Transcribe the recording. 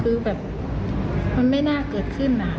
คือแบบมันไม่น่าเกิดขึ้น